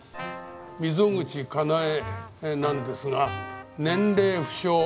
溝口カナエなんですが年齢不詳住所